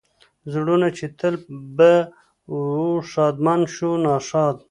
زړونه چې تل به و ښادمن شو ناښاد.